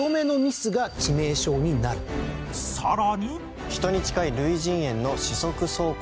さらに